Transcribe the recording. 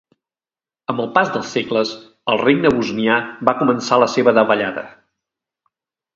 Amb el pas dels segles, el Regne bosnià va començar la seva davallada.